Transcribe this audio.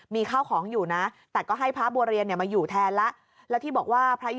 มีข้าวของอยู่นะแต่ก็ให้พระบัวเรียนมาอยู่แทนแล้ว